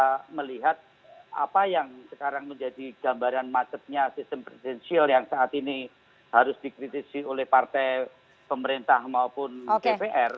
kita melihat apa yang sekarang menjadi gambaran macetnya sistem presidensial yang saat ini harus dikritisi oleh partai pemerintah maupun dpr